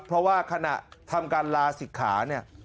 เพราะว่าขณะทำการลาศิกขาเนี่ย